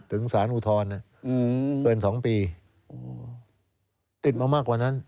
ถึงสารอุทธรณ์เกิน๒ปีติดมามากกว่านั้น